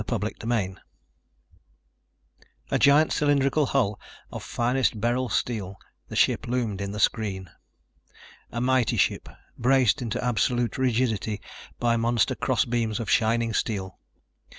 CHAPTER EIGHT A giant cylindrical hull of finest beryl steel, the ship loomed in the screen. A mighty ship, braced into absolute rigidity by monster cross beams of shining steel.